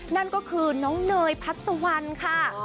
นั่นก็คือน้องเนยพัสวันค่ะ